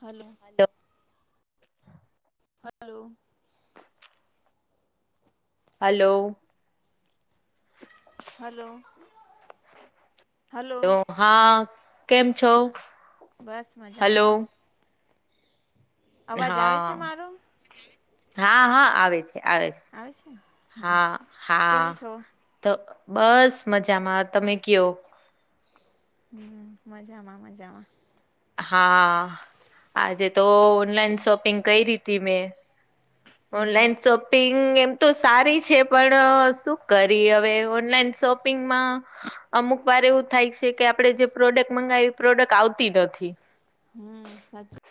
Hello. [inaudible] Hello. Hello. Hello. Hello હા કેમ છો હા બસ હલો મજામાં. અવાજ આવે છે હા મારો હા હા આવે છે આવે છે. હા હા. કેમ છો? તો બસ મજામાં તમે કયો હમ્મ મજામાં મજામાં હા આજે તો ઓનલાઈન શોપિંગ કઈરી તી મેં હમ ઓનલાઇન શોપિંગ એમ તો સારી છે પણ શું કરી હવે ઓનલાઈન શોપિંગમાં અમુક વાર એવું થાય છે કે આપણે જે પ્રોડક્ટ મંગાવી એ પ્રોડક્ટ આવતી નથી. હમ્મ સાચી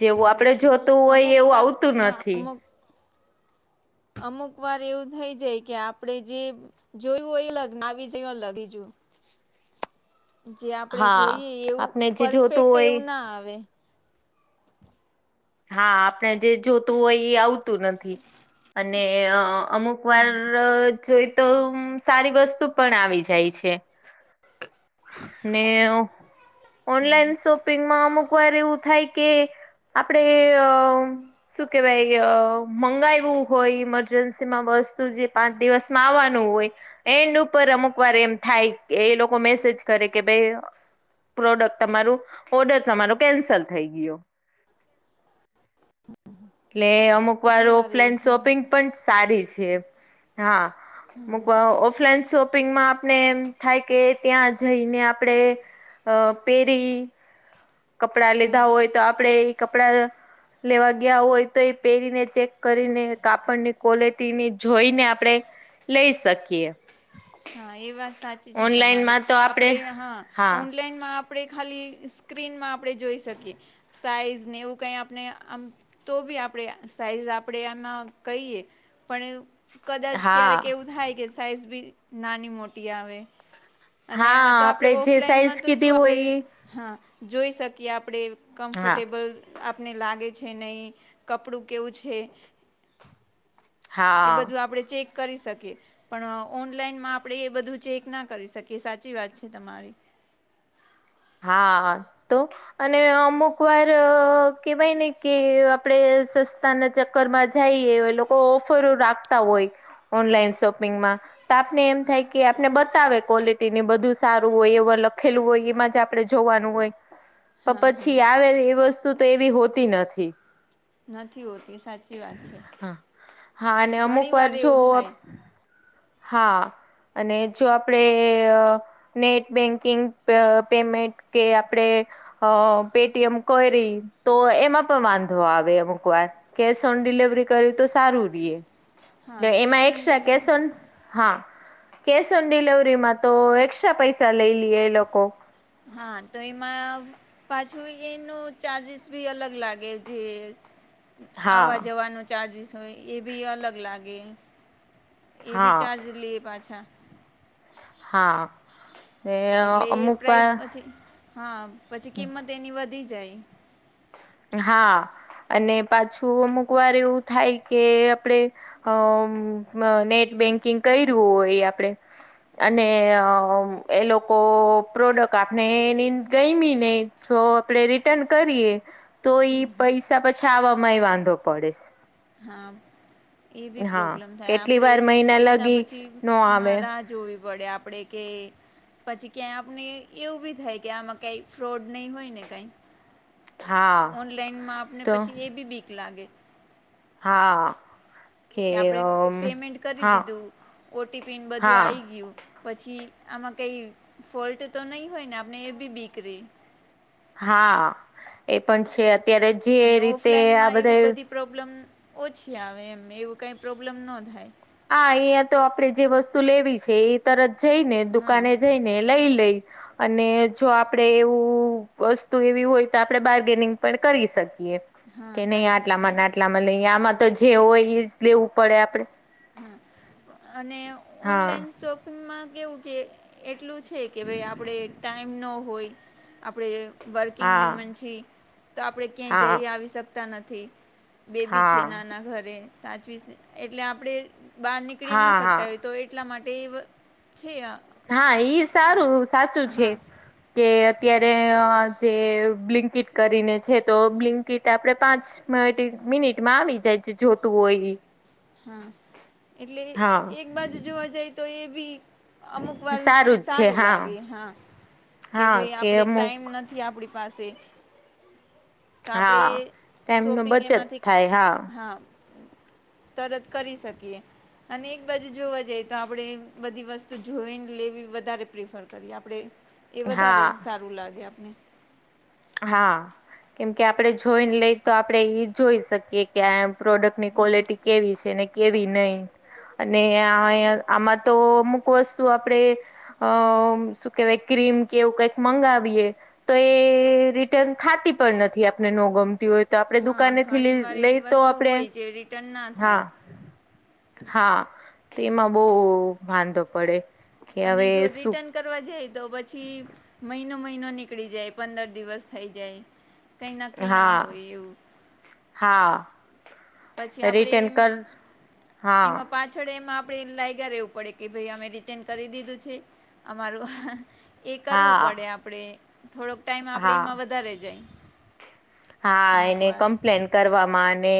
જેવું વાત આપડે છે જોતું હા હોય એવું અમુકવાર આવતું નથી અમુક અમુક વાર એવું થઈ જાય કે આપણેે જે જોયું હોય [unintelligible] અલગ ના આવી જયું બીજું જે આપડે હા જોઈએ એવું આપણે જે જોતું પરફેક્ટ હોય એવું ના આવે હા આપણે જે જોતું હોય એ આવતું નથી અને અ અમુક અમુક વાર જોઈ તો સારી વસ્તુ પણ આવી જાય છે. ને ઓનલાઈન શોપ શપિંગમાં અમુક વાર એવું થાય કે આપડે અ શું કેવાય મંગાવ્યું હોય ઈમરજન્સીમાં વસ્તુ જે પાંચ દિવસમાં આવવાનું હોય એન્ડ ઉપર અમુક વાર એમ થાય એ લોકો મેસેજ કરે કે ભઈ પ્રોડક્ટ તમારું ઓર્ડર તમારો કેન્સલ થઈ ગયો. એટલે અમુક વાર ઘણી એવું ઓફલાઈન થાય શોપિંગ પણ સારી છે હા. અમુક વાર ઓફલાઇન શોપ પિંગમાં આપણે એમ થાય કે ત્યાં જઈને આપણે અ પેરી કપડાં લીધા હા હોય તો આપડે એ કપડા લેવા ગયા હોય તો એ પહેરીને ચેક કરીને કાપડની ક્વોલિટીની જોઈને આપણેે લઈ શકીએ હા એ વાત સાચી છે તમારી ઓનલાઈનમાં તો આપણે હા ઓનલાઈનમાં આપ આપણે ખાલી સ્ક્રીનમાં આપણે જોઈ શકીએ સાઈઝને એવું કંઈ આપણે આમ તો બી આપણે સાઈઝ આપણે આમાં કહીએ પણ કદાચ હા ક્યારેક એવું થાય કે સાઈઝ બી નાની મોટી આવે અને હા આ તો આપણે આપણેે જે સાઈઝ ઓફલાઈનમાં તો કીધી શું આપણેે હોય એ હા જોઈ શકીએ આપણે હા કમ્ફર્ટેબલ આપને લાગે છે નહી કપડું કેવું છે. એ હા બધું આપણે ચેક કરી શકીએ પણ ઓન લાઈનમાં આપણે એ બધું ચેક ના કરી શકીએ સાચી વાત છે તમારી હા તો અને અમુક વાર કહેવાયને આપણે સસ્તા ના ચક રમાં જાઈ એ લોકો ઓફરો રાખતા હોય ઓનલાઈન શોપિંગમાં તો આપણે એમ થાય કે આપને બતાવે ક્વોલિટી ને બધું સારું હોય એવ લખેલું હોય એમાં જ આપણે જોવાનું હોય પણ હા હા પછી આવે એ વસ્તુ તો એવી હોતી નથી નથી હોતી સાચી વાત છે હા અને અમુક ઘણી વાર જો એવું થાય હા અને જો આપણે નેટ બેન્કિંગ પેમેન્ટ કે આપણે હ પે. ટી. એમ કરી તો એમાં પણ વાંધો આવે અમુક વાર કેશ ઓન ડિલવરી કરવી તો સારું રીએ હા એમાં cash on extra cash delivery on હા કેશ ઓન ડિલવરી માં તો એક્સ્ટ્રા પૈસા લઈ લઈએ એ લોકો હા તો એમાં પાછું એનો ચાર્જિસ ભી અલગ લાગે જે હા આવવા જવાનો ચાર્જીિસ હોય એ બી અલગ લાગે. એ બી હા ચાર્જ લે એ પાછા હા. એ એટલે એ અમુક પ્રાઇસ વાર પછી હા પછી કિંમત એની વધી જાય. હા. અને પાછું અમુક વાર એવું થાય કે આપણે અમ્મ નેટ બેન્કિંગ કયરું હોય ઈ આપણે અને એ લોકો પ્રોડક્ટ આપણે એની ગઈમી નહીં. જો આપણે રિટર્ન કરીએ તો ઈ પૈસા પછી આવા માંય વાંધો પડે સે હા એ બી હા પ્રોબ્લેમ થાય કેટલી આપણે વાર મહિના પૈસા લગી પછી ન હા આવે રાહ જોવી પડે આપણેે કે પછી ક્યાંય આપને એવું બી થાય કે આમાં કાંઈ ફ્રોડ નહીં હોય ને કાંઈ. હા ઓનલાઈનમાં આપને તો પછી એ બી બીક લાગે. હા કે આપણેે અમ, પેમેન્ટ કરી હા દીધું ઓ. ટી. પીને બધું હા આઈ ગયું પછી આમાં કંઈ ફોલ્ટ તો નહીં હોય ને આપને એ બી બીક રયે. હા એ પણ છે અત્યારે જે અને રીતે આ ઓફલાઈનમાં એવી બધાય બધી પ્રોબ્લેમ ઓછી આવે એમ એવું કાંઈ પ્રોબ્લેમ ન થાય. આ અહિયાં તો આપણે જે વસ્તુ લેવી છે ઈ તરત જઈને હા દુકાને જઈને ને લઈ લઈ. અને જો આપણેે એવું વસ્તુ એવી હોય તો આપણેે બાર્ગેનિંગ પણ કરી શકીએ. હા કે નહીં કરી શકીએ આટલામાં ને આટલામાં લઈ આમાં તો જે હોય એ ઈજ લેવું પડે આપણે હા અને હા ઓનલાઈન શોપિંગમાં કેવું કે એટલું છે કે ભઈ આપણે ટાઈમ નો હોય, આપણે વર્કિંગ હા વુમન છી, તો આપણેે ક્યાંય હા જઈ આવી શકતા નથી બેબી છે હા નાના ઘરે સાચવીસ, એટલે આપડે બહાર નીકળી ન હા હા શકતા હોય તોઈ એટલા માટે ઈવ હા ઈ સારું સાચું છે. હા કે અત્યારે અ જે બ્લિંકિટ કરીને છે તો, બ્લિંકિટ આપડે પાંચ [unintelligible] મિનિટમાં આવી જાય જે જોતું હોય ઈ. હા. એટલે હા એક બાજુ જોવા જાય તો એ ભી અમુક વાર જ છે સારું હા લાગે, હા. કે હા ભઈ આપણે અમુક ટાઈમ નથી આપણી પાસે. તો આપણે હા ટાઈમ ન શોપિંગ બચત એમાંથી, થાય હા. તરત કરી શકીએ. અને એક બાજું જોવા જઈએ તો આપણે બધી વસ્તુ જોઈન લેવી વધારે પ્રિફર કરી આપણે. એ વધારે હા સારું લાગે આપને. હા. કેમકે આપડે જોઈન લઈ તો આપડે ઈ જોઈ શકીએ કે આ પ્રોડક્ટની ક્વોલિટી કેવી છે ને કેવી નહીં. અને આ અહિયાં આમાં તો અમુક વસ્તુ આપડે અમ્મ શું કહેવાય ક્રીમ કે એવું કંઈક મંગાવીએ તો એ રિટર્ન થાતી પણ નથી આપને નો ગમતી હોય તો આપડે હા દુકાને થી લી ઘણી વાર લઈ એવી તો વસ્તુ આપડે, હોય જે રિટર્ન ના હા. થાય હા. તેમાં બહુ વાંધો પડે. કે અને હવે જો શું રિટર્ન કરવા જાય તો પછી મહિ નો મહિનો નીકળી જાય, પંદર દિવસ થઈ જાય. કંઈ નક્કી ના હા હોય એવું. હા. પછી આપણે રિટર્ન એમ કર હા એમાં પાછ છળ એમાં આપે લાયગા રહેવું પડે કે ભઈ અમે રિટર્ન કરી દીધું છે, અમારું એ કરવું પડે. હા આપણે થોડોક ટાઈમ આપણે હા એમાં વધારે જાય. હા, અમુક એને વાર કમ્પ્લેન કરવામાં અને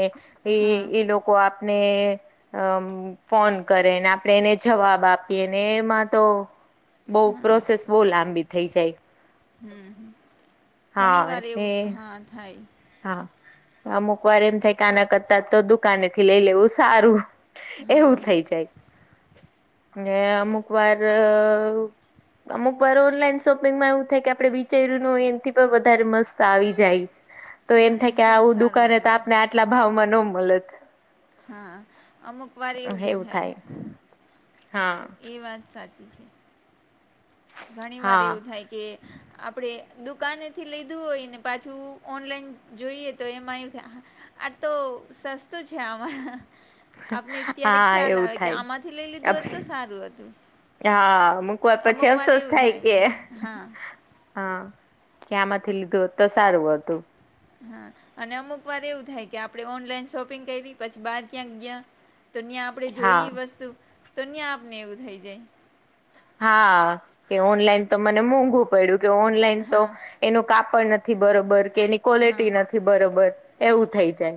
એ હા એ લોકો આપણે અમ ફોન કરેને, આપણે એને જવાબ આપીએ ને, એમાં તો બહુ પ્રોસેસ, બહુ લાંબી થઇ જાય. હમ. હ, હા ઘણી વાર એટલે એવું હા થાય. હા, અમુક વાર એમ થાય આના કરતા તો દુકાનેથી લઈ લેવું સારું. એવું હા થઈ જાય. ને અમુક વાર અમુક વાર ઓનલાઈન શોપિંગમાં એવું થાય કે આપણે વિચાર્યું નય, એથી પણ વધારે મસ્ત આવી જાય. તો હા એમ થાય, કે એનાથી બી આવું સારું દુકાને તો આવી જાય આપણને આટલા ભાવમાં ન મળે. હા, અમુક વાર એવું બી થાય. હા. એ વાત સાચી છે. ઘણી વાર હા એવું થાય કે આપણેે દુકાનેથી લીધું હોયને, પાછું ઓનલાઈન જોઈએ તો એમાં આવ થ આ તો સસ્તું છે આમાં. આપણે અત્યારે હા ખ્યાલ એવું આવે કે થાય. આમાંથી લઈ લીધું તો સારું હતું. હા, મૂકવા પછી અમુક વાર અફસોસ એવું થાય કે હા હા, ક્યાંમાંથી લીધું તો સારું હતું. હા, અને અમુક વાર એવું થાય કે આપણે ઓનલાઈન શોપિંગ કરી પછી બાર ક્યાંક ગયા. તો યાં આપણેે જોઈ હા વસ્તુ, તો ન્યાં આપણને એવું થઈ જાય. હા, કે ઓનલાઈન તો મને મોંઘું પડ્યું કે ઓનલાઈન તો હા એનું કાપડ નથી બરોબર કે એની હા કોવોલિટી નથી બરોબર એવું થઈ જાય.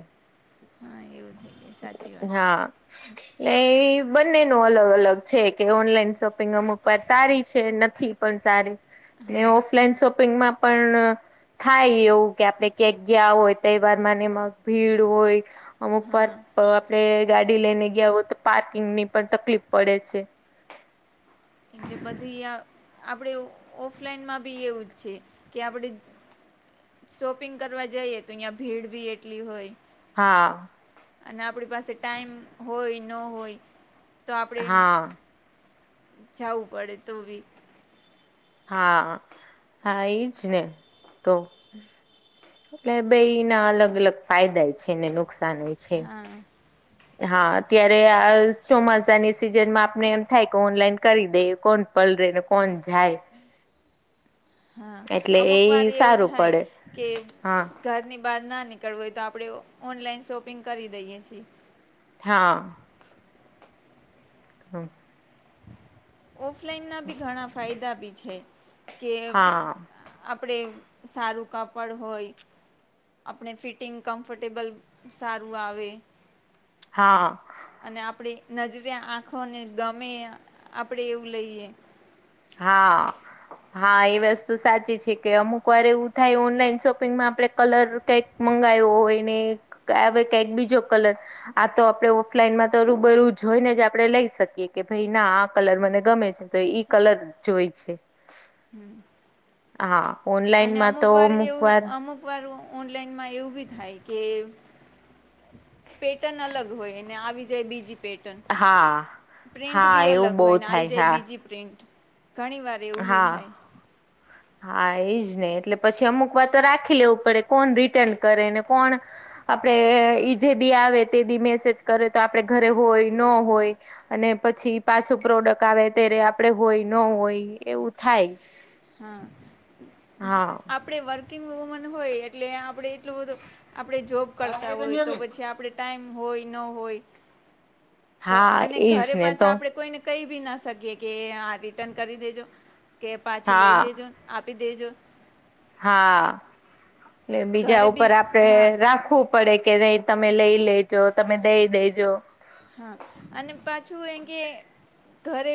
હા, એવું થઈ જાય સાચી વાત છે. હા એટલે એ બંનેનું અલગ અલગ છે કે ઓનલાઈન શોપ પિંગ અમુક વાર સારી છે નથી પણ સારી. ને ઓફલાઈન શોપિંગમાં પણ થાય એવું કે આપણે ક્યાંક ગયા હોય, તહેવારમાં ને એમા ભીડ હોય, અમુકવાર હા અ આપણે ગાડી લઈને ગયા હોતો પાર્કિંગની પણ તકલીફ પડે છે. એટલે બધી આ આપણે ઓફલાઈનમાં બી એવું જ છે. કે આપણે શોપિંગ કરવા જઈએ, તો અહીંયા ભીડ ભી એટલી હોય. હા. અને આપણી પાસે ટાઈમ હોય, ન હોય તો આપણે હા જાવું પડે તોબી. હા હા ઈજ ને તો એટલે બેઈના અલગ અલગ ફાયદા છે ને નુકસાનય છે. હા હા, અત્યારે આ ચોમાસાની સિઝનમાં આપણે એમ થાય કે ઓનલાઈન કરી દઈએ કોન પલરેને કોણ જાય. હા, એટલે એ અમુકવાર એવું સારું થાય પડે કે હા ઘરની બહાર ના નીકળવું હોય, તો આપણે ઓનલાઈન શોપિંગ કરી દઈએ છીએ. હા. હહ ઓફલાઈનના બી ઘણા ફાયદા બી છે કે હા આપણે સારું કાપડ હોય. આપણે ફિટિંગ કમ્ફર્ટેબલ સારું આવે. હા. અને આપણે નજરે આંખોને ગમે આપણેે એવું લઈએ. હા. હા, એ વસ્તુ સાચી છે. કે અમુકવાર એવું થાય ઓનલાઈન શોપિંગમાં આપણે કલર કઈક મંગાવ્યું હોય ને આવે કાંઈક બીજો કલર. આ તો આપડે ઓફલાઈનમાં તો રુંબરું જોઈને જ આપણે લઈ શકીએ કે ભાઈ ના કલર મને ગમે છે તો ઈ કલર જોઈ છે. હમ હા અને ઓનલાઈનમાં તો અમુકવાર અમુક એવું વાર અમુકવાર ઓનલાઈનમાં એવું બી થાય કે પેટર્ન અલગ હોય એને આવી જાય બીજી પેટ ટન હા પ્રિન્ટ હા બી એવું અલગ બહુ હોય ને આવી થાય જાય હા બીજી પ્રિન્ટ ઘણીવાર હા હા એજ ને. એટલે પછી અમુકવાર તો રાખી લેવું પડે કોણ રિટર્ન કરે ને કોણ આપડે ઈ જેદી આવે તેદી મેસેજ કરે તો આપડે ઘરે હોય ન હોય. અને પછી પાછો પ્રોડક્ટ આવે ત્યારે આપડે હોય ન હોય એવું થાય. હા હા આપડે વર્કિંગ વુમન હોય એટલે આપડે એટલું બધું આપણે જોબ કરતા હોય તો પછી આપણે ટાઈમ હોય ન હોય. તો હા અને એજ ઘરે ને પાછા તો આપડે કોઈને કહી બી ના શકીએ કે આ રિટર્ન કરી દેજો કે પાછું લઈ હા લેજો ન. આપી દેજો. હા એ બીજા ઘરે બી ઉપર આપણે હા રાખવું. પડે કે નહી તમે લઈ લેજો તમે દઈ દેજો. હા અને પાછું એમ કહે. ઘરે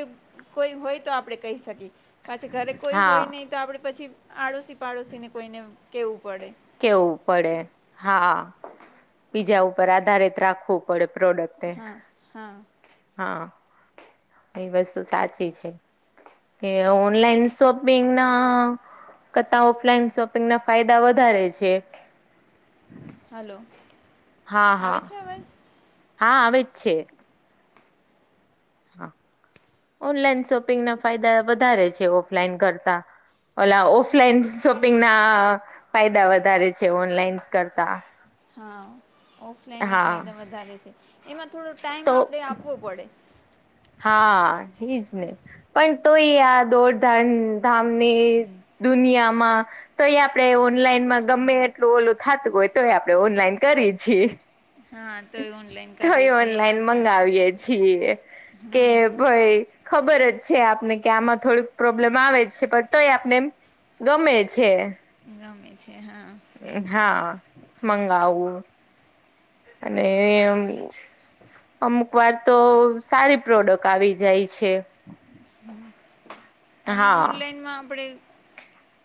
કોઈ હોય તો આપણે કહી શકીએ. પાછી ઘરે કોઈ હા હોય નહી તો આપણે પછી આડોશી પાડોશીને કોઈને કેવું પડે. કેવું પડે હા બીજા ઉપર આધારિત રાખવું પડે પ્રોડક્ટ. હા. હા. હા. એ વસ્તુ સાચી છે, કે ઓનલાઈન શોપિંગ ના કરતા ઓફલાઈન શોપિંગ ના ફાયદા વધારે છે. હલો. હા, હા, આવે છે અવાજ હા આવે જ છે. હા ઓનલાઈન શોપિંગ ના ફાયદા વધારે છે, ઓફલાઈન કરતા. અલા ઓફલાઈન શોપિંગના ફાયદા વધારે છે, ઓનલાઈન કરતા. હા ઓફલાઈનના હા ફાયદા વધારે છે, એમાં થોડો ટાઈમ તો આપણે આપવો પડે. હા એજ ને પણ તો [unintelligible] દુનિયામાં તો એ આપણે ઓનલાઈનમાં ગમે એટલું ઓલું થતું હોય તો એ આપણે ઓનલાઈન કરીએ છીએ. હા તો ઓનલાઈન તો એ કરીએ છીએ ઓનલાઈન વાત સાચી મંગાવીએ છીએ કે ભાઈ ખબર જ છે, આપને કે આમાં થોડુંક પ્રોબ્લેમ આવે જ છે, પણ તો એ આપને એમ ગમે છે. ગમે છે, હા. હા, મંગાવું. અને એમ [unintelligible] અમુક વાર તો સારી પ્રોડક્ટ આવી જાય છે. અને હા ઓનલાઈનમાં આપણેે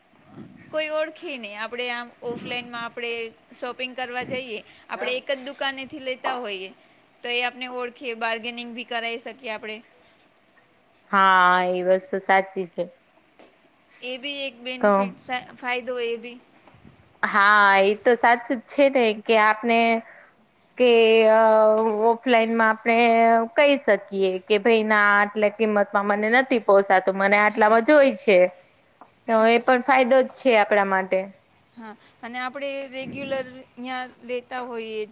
[inaudible] કોઈ ઓળખે નહી આપણે આમ ઓફલાઈનમાં આપણે શોપિંગ કરવા જઈએ આપણે એક જ દુખ દુકાનેથી લેતા હોઈએ તો એ આપણે ઓળખી બાર્ગેનિંગ પણ કરાવી શકીએ આપણે. હા એ વસ્તુ સાચી છે. એ પણ એક તો બેનિફિટ ફાયદો એ બી હા એ તો સાચું છે ને કે આપને કે ઓફલાઈનમાં આપણે કહી શકીએ. કે ભાઈ ના આટલી કિંમતમાં મને નથી તો મને હા આટલામાં જોયે છે, તો એ પણ ફાયદો જ છે આપણા માટે હા અને આપણે રેગ્યુલર જયાં લેતા હોઈએ.